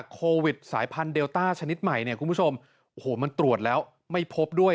โควิดสายพันธุเดลต้าชนิดใหม่เนี่ยคุณผู้ชมโอ้โหมันตรวจแล้วไม่พบด้วย